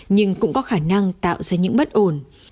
nhưng cũng có khả năng tạo ra những bất ổn